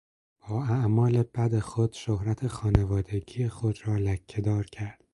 با اعمال بد خود شهرت خانوادگی خود را لکه دار کرد.